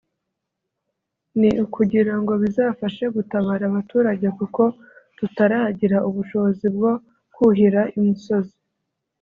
(…) ni ukugira ngo bizabashe gutabara abaturage kuko tutaragira ubushobozi bwo kuhira i musozi »